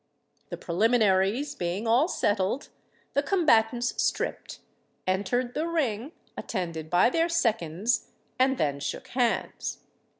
The preliminaries being all settled, the combatants stripped, entered the ring, attended by their seconds, and then shook hands.